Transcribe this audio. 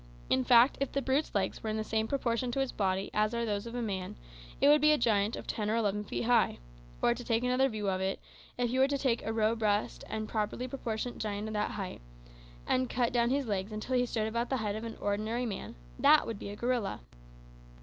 In fact, if the brute's legs were in the same proportion to its body as are those of a man, it would be a giant of ten or eleven feet high. Or, to take another view of it, if you were to take a robust and properly proportioned giant of that height, and cut down his legs until he stood about the height of an ordinary man, that would be a gorilla."